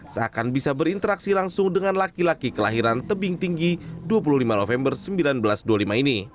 seakan bisa berinteraksi langsung dengan laki laki kelahiran tebing tinggi dua puluh lima november seribu sembilan ratus dua puluh lima ini